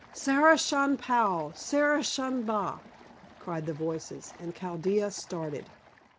"Sarishan pal! Sarishan ba!" cried the voices, and Chaldea started.